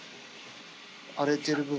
荒れてる部分。